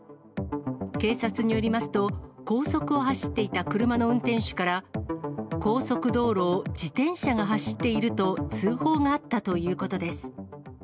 警察によりますと、高速を走っていた車の運転手から、高速道路を自転車が走っていると通報があったということです。